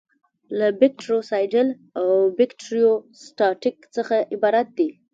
له بکټریوسایډل او بکټریوسټاټیک څخه عبارت دي.